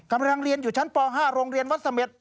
กำลังเรียนอยู่ชั้นป๕โรงเรียนวัดเสม็ด